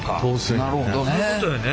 なるほどね。